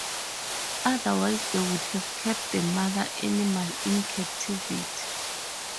Otherwise they would have kept the mother animal in captivity.